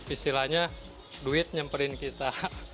istilahnya duit nyemperin kita